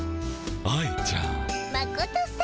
あ愛ちゃん。